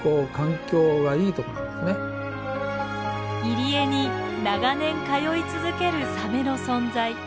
入り江に長年通い続けるサメの存在。